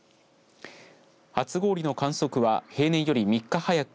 初氷の観測は平年より３日早く